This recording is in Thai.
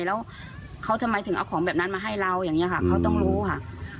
แล้วเขาทำไมถึงเอาของแบบนั้นมาให้เราอย่างนี้ค่ะเขาต้องรู้ค่ะ